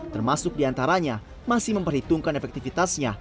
termasuk diantaranya masih memperhitungkan efektivitasnya